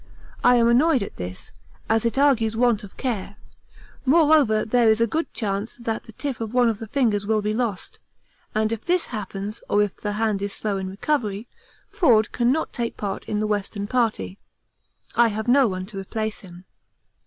I am annoyed at this, as it argues want of care; moreover there is a good chance that the tip of one of the fingers will be lost, and if this happens or if the hand is slow in recovery, Forde cannot take part in the Western Party. I have no one to replace him.